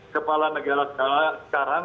kepala negara sekarang